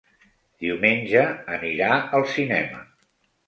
Diumenge anirà al cinema.